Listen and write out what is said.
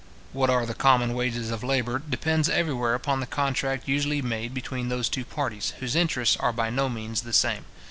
What are the common wages of labour, depends everywhere upon the contract usually made between those two parties, whose interests are by no means the same.